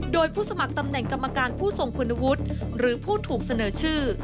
โดยผู้สมัครตำแหน่งกรรมการผู้ทรงคุณวุฒิหรือผู้ถูกเสนอชื่อ